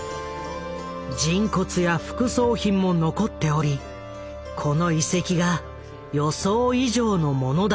人骨や副葬品も残っておりこの遺跡が予想以上のものだと分かった。